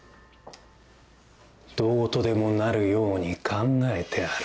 どうとでもなるように考えてある。